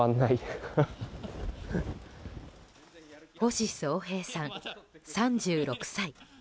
星宗兵さん、３６歳。